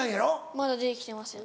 まだ出て来てません。